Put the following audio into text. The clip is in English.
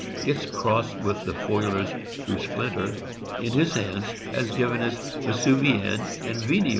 Its cross with the Foilers, through Splinter, in his hands, has given us Yesuvienne and Yenio.